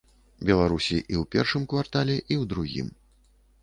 Беларусі і ў першым квартале, і ў другім.